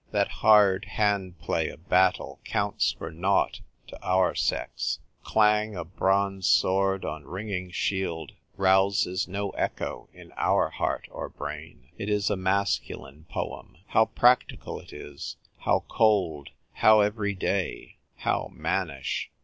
That hard handplay of battle counts for nought to our sex. Clang of bronze sword on ringing shield rouses no echo in our heart or brain. It is a masculine poem. How practical it is, how cold, how everyday, how mannish